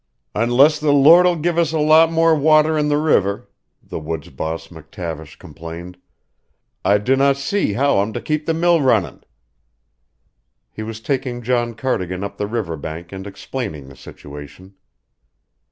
"Unless the Lord'll gi' us a lot more water in the river," the woods boss McTavish complained, "I dinna see how I'm to keep the mill runnin'." He was taking John Cardigan up the riverbank and explaining the situation.